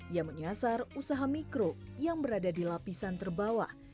ia menyasar usaha mikro yang berada di lapisan terbawah